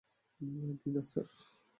দিন, স্যার।